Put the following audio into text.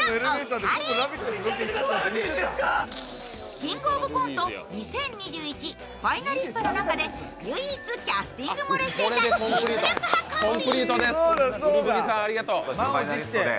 「キングオブコント２０２１」ファイナリストの中で唯一キャスティング漏れしていた実力派コンビ。